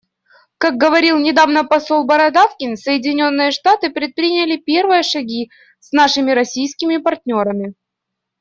Как говорил недавно посол Бородавкин, Соединенные Штаты предприняли первые шаги с нашими российскими партнерами.